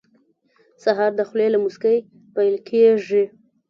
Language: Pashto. سهار د خولې له موسکۍ پیل کېږي.